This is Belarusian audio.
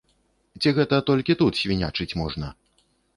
Ці гэта толькі тут свінячыць можна?